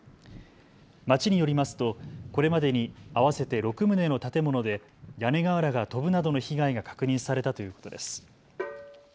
町によりますとこれまでに合わせて６棟の建物で屋根瓦が飛ぶなどの被害が確認されたということです。